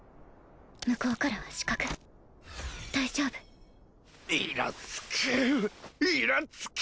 向こうからは死角大丈夫イラつくイラつく！